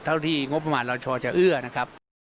เท่าที่งบประมาณเราชอจะเอื้อนะครับ